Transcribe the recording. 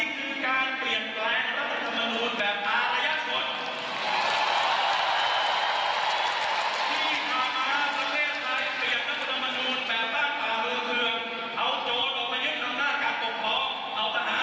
นี่คือสิทธิ์ที่พระธรรมนักท่วมใหม่ตั้งใจจะทำเราจะยุติการเสร็จพ่อธรรมนาคมของประชา